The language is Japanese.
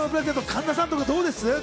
神田さんとかどうです？